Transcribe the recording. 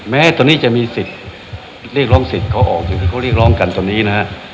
แม้ตอนนี้จะมีสิทธิ์เรียกร้องสิทธิ์เขาออกอย่างที่เขาเรียกร้องกันตอนนี้นะฮะ